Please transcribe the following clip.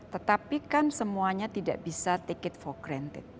tetapi kan semuanya tidak bisa take it for granted